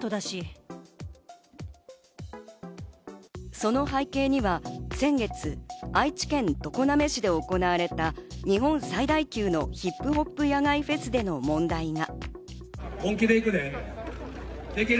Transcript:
その背景には、先月、愛知県常滑市で行われた日本最大級のヒップホップ野外フェスでの問題が。